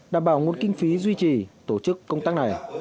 đảm bảo nguồn kinh phí duy trì tổ chức công tác này